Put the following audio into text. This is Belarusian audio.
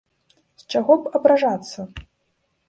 З чаго б абражацца?